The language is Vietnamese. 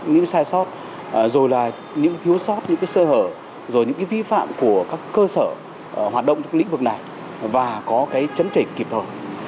những sai sót rồi là những thiếu sót những cái sơ hở rồi những cái vi phạm của các cơ sở hoạt động trong lĩnh vực này và có cái chấn chỉnh kịp thời